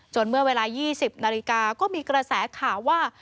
เมื่อเวลา๒๐นาฬิกาก็มีกระแสข่าวว่า